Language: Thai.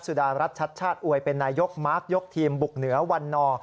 สุดารัฐชัดชาติอวยเป็นนายกมาร์คยกทีมบุกเหนือวันนอร์